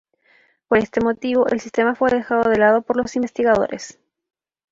Por este motivo el sistema fue dejado de lado por los investigadores.